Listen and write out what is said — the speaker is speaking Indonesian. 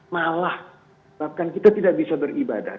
malah bahkan kita tidak bisa beribadah